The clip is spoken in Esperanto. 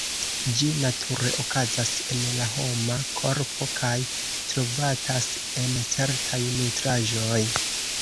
Ĝi nature okazas en la homa korpo kaj trovatas en certaj nutraĵoj.